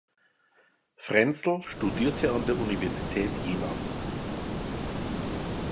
Fränzel studierte an der Universität Jena.